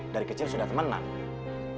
dari kecil sudah temenan